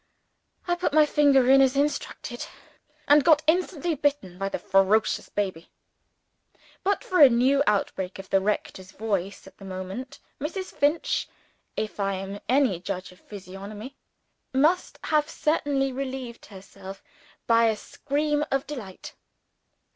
I put my finger in as instructed, and got instantly bitten by the ferocious baby. But for a new outburst of the rector's voice at the moment, Mrs. Finch (if I am any judge of physiognomy) must have certainly relieved herself by a scream of delight.